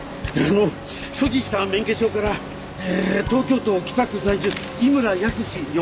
所持してた免許証から東京都北区在住井村泰４０歳です。